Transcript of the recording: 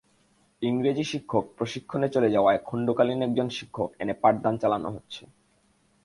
ইংরেজি শিক্ষক প্রশিক্ষণে চলে যাওয়ায় খণ্ডকালীন একজন শিক্ষক এনে পাঠদান চালানো হচ্ছে।